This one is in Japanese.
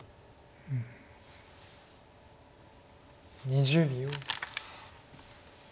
２０秒。